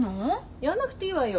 やんなくていいわよ。